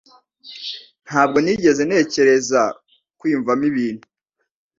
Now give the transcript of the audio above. Ntabwo nigeze ntekereza kwiyumvamo ibintu.